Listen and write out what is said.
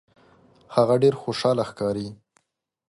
هغه ډیر خوشحاله ښکاري.